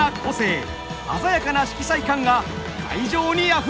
鮮やかな色彩感が会場にあふれます。